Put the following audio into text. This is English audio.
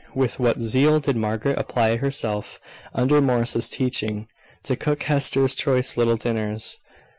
With what zeal did Margaret apply herself, under Morris's teaching, to cook Hester's choice little dinners!